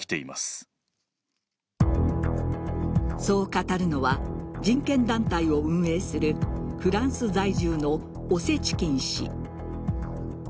そう語るのは人権団体を運営するフランス在住のオセチキン氏。